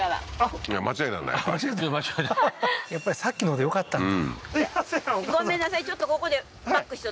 やっぱりさっきのでよかったんだ